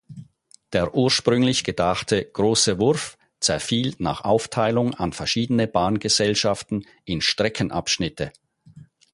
Der ursprünglich gedachte „große Wurf“ zerfiel nach Aufteilung an verschiedene Bahngesellschaften in Streckenabschnitte.